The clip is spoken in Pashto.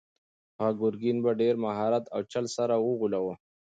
هغه ګرګین په ډېر مهارت او چل سره وغولاوه.